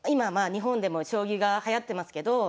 日本でも将棋がはやってますけど